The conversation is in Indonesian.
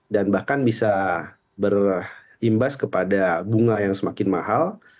bahkan bisa berimbas kepada bunga yang semakin mahal